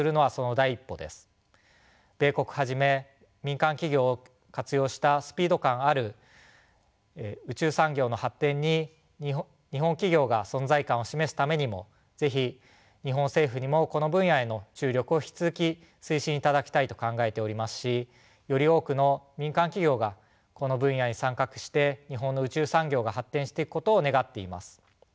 米国はじめ民間企業を活用したスピード感ある宇宙産業の発展に日本企業が存在感を示すためにも是非日本政府にもこの分野への注力を引き続き推進いただきたいと考えておりますしより多くの民間企業がこの分野に参画して日本の宇宙産業が発展していくことを願っています。